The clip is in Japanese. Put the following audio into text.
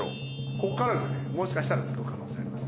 ここからですねもしかしたらつく可能性あります。